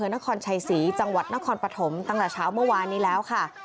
นครชัยศรีจังหวัดนครปฐมตั้งแต่เช้าเมื่อวานนี้แล้วค่ะ